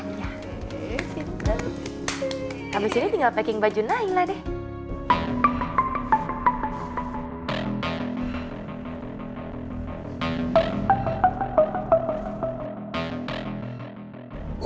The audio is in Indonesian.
habis ini tinggal packing baju naila deh